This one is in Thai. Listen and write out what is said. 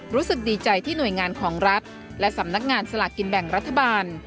รู้สึกดีใจที่หน่วยงานของรัฐและสำนักงานสลากกินแบ่งรัฐบาล